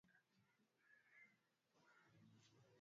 Waziri wa habari nchini Tanzania Innocent Bashungwa amesema